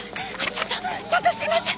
ちょっとちょっとすいません。